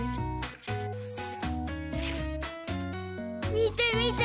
みてみて！